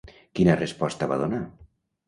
Quina resposta va donar?